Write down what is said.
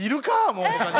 もう他に。